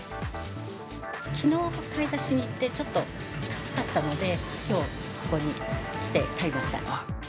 きのう買い出しに行って、ちょっと高かったので、きょう、ここに来て買いました。